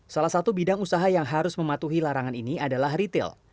salah satu bidang usaha yang harus mematuhi larangan ini adalah retail